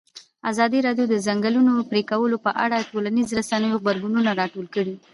ازادي راډیو د د ځنګلونو پرېکول په اړه د ټولنیزو رسنیو غبرګونونه راټول کړي.